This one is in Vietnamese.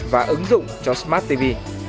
và ứng dụng cho smart tv